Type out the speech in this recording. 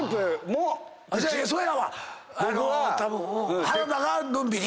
たぶん原田がのんびり？